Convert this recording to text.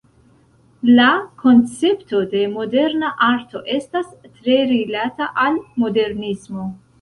La koncepto de moderna arto estas tre rilata al modernismo.